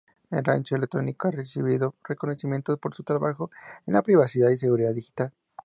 El Rancho Electrónico ha recibido reconocimientos por su trabajo en privacidad y seguridad digital.